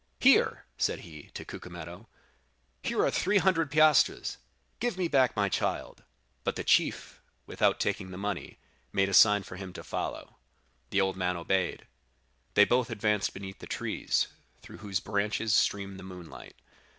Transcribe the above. "'Here,' said he, to Cucumetto, 'here are three hundred piastres; give me back my child. "But the chief, without taking the money, made a sign to him to follow. The old man obeyed. They both advanced beneath the trees, through whose branches streamed the moonlight.